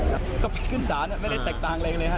แล้วคุณสารไม่ได้แตกต่างกันเลย